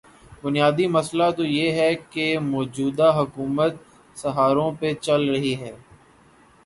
بنیادی مسئلہ تو یہ ہے کہ موجودہ حکومت سہاروں پہ چل رہی ہے۔